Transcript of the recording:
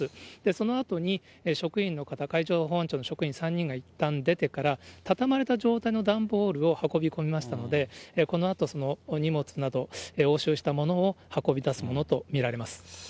そのあとに職員の方、海上保安庁の職員３人がいったん出てから、畳まれた状態の段ボールを運び込みましたので、このあと、荷物など、押収したものを運び出すものと見られます。